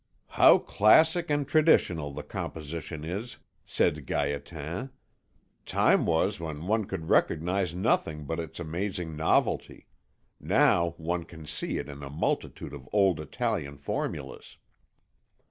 "How classic and traditional the composition is," said Gaétan. "Time was when one could recognise nothing but its amazing novelty; now one can see in it a multitude of old Italian formulas."